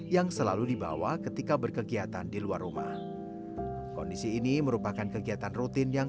yang selalu dibawa ketika berkegiatan di luar rumah kondisi ini merupakan kegiatan rutin yang